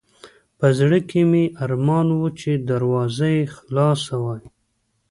په زړه کې مې ارمان و چې دروازه یې خلاصه وای.